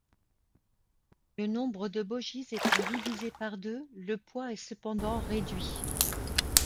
Le nombre de bogies étant divisé par deux, le poids est cependant réduit.